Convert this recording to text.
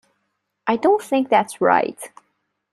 I don't think that's right.